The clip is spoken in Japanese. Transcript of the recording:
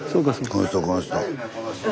この人この人。